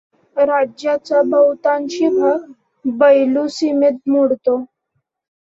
राज्याचा बहुतांशी भाग बयलूसीमेत मोडतो.